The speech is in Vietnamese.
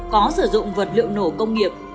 có sử dụng vật liệu nổ công nghiệp